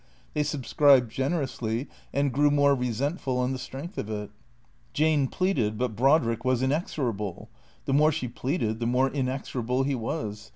They sub scribed generously, and grew more resentful on the strength of it. Jane pleaded, but Brodrick was inexorable. The more she pleaded the more inexorable he was.